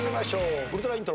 ウルトライントロ。